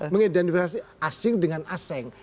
mengidentifikasi asing dengan asing